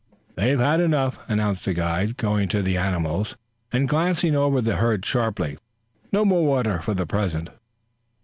"They've had enough," announced the guide, going to the animals and glancing over the herd sharply. "No more water for the present."